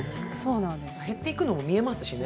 減っていくのも見えますね。